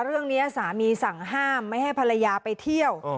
เรื่องนี้สามีสั่งห้ามไม่ให้ภรรยาไปเที่ยว